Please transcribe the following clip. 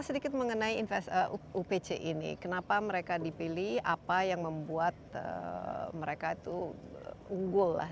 sedikit mengenai investasi upc ini kenapa mereka dipilih apa yang membuat mereka itu unggul lah